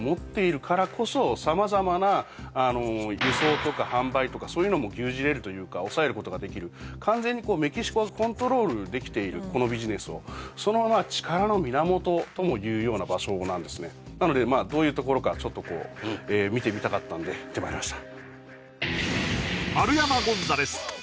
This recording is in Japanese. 様々な輸送とか販売とかそういうのも牛耳れるというか押さえることができる完全にメキシコがコントロールできているこのビジネスをその力の源ともいうような場所なんですねなのでどういうところかちょっと見てみたかったんで行ってまいりました